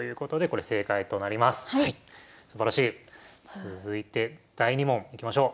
続いて第２問いきましょう。